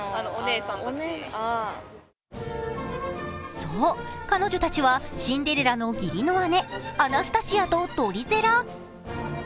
そう、彼女たちはシンデレラの義理の姉、アナスタシアとドリゼラ。